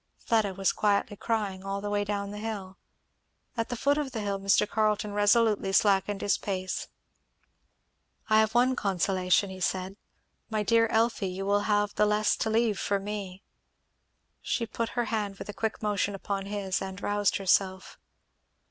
Fleda was quietly crying all the way down the hill. At the foot of the hill Mr. Carleton resolutely slackened his pace. "I have one consolation," he said, "my dear Elfie you will have the less to leave for me." She put her hand with a quick motion upon his, and roused her self.